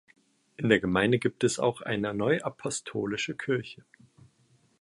In der Gemeinde gibt es auch eine Neuapostolische Kirche.